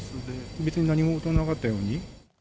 別に何事もなかったように。